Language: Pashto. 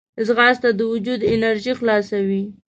ځغاسته د وجود انرژي خلاصوي